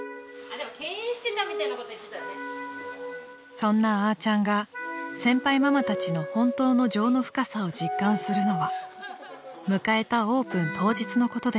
［そんなあーちゃんが先輩ママたちの本当の情の深さを実感するのは迎えたオープン当日のことでした］